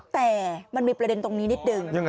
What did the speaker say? แต่มันมีประเด็นตรงนี้นิดหนึ่ง